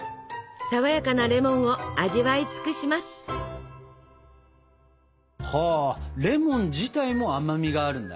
さわやかなレモンを味わい尽くします！はレモン自体も甘みがあるんだね。